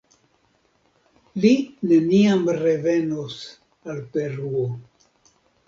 Li neniam revenos al Peruo.